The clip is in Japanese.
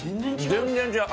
全然違う。